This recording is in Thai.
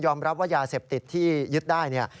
รับว่ายาเสพติดที่ยึดได้เนี่ย